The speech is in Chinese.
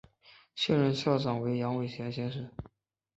现任校长为杨伟贤先生。